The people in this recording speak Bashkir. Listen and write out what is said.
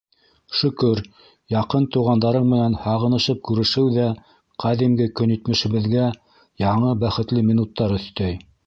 Шөкөр, яҡын туғандарың менән һағынышып күрешеү ҙә ҡәҙимге көнитмешебеҙгә яңы бәхетле минуттар өҫтәй.